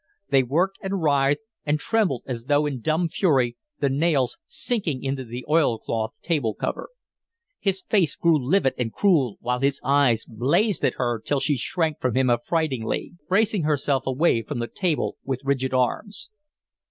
They worked and writhed and trembled as though in dumb fury, the nails sinking into the oil cloth table cover. His face grew livid and cruel, while his eyes blazed at her till she shrank from him affrightedly, bracing herself away from the table with rigid arms.